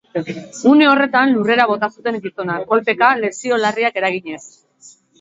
Une horretan, lurrera bota zuten gizona, kolpeka, lesio larriak eraginaz.